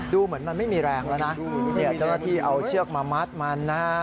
ดูเหมือนมันไม่มีแรงแล้วนะเจ้าหน้าที่เอาเชือกมามัดมันนะฮะ